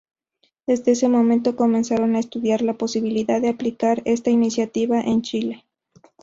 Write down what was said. Desde ese momento comenzaron a estudiar la posibilidad de aplicar esta iniciativa en Chile.